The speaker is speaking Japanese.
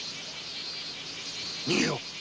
逃げよう！